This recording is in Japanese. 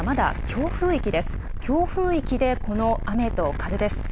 強風域でこの雨と風です。